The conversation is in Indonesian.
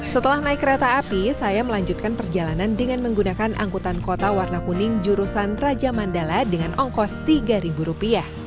setelah naik kereta api saya melanjutkan perjalanan dengan menggunakan angkutan kota warna kuning jurusan raja mandala dengan ongkos rp tiga